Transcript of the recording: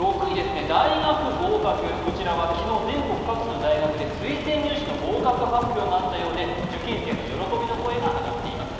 大学合格、こちらは全国各地の大学で推薦入試の合格発表があったようで、受験生の喜びの声が上がっています。